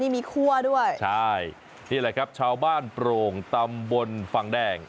มีคั่วด้วยใช่นี่แหละครับชาวบ้านโปร่งตำบลฟังแดง